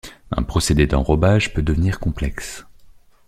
Un procédé d’enrobage peut devenir complexe.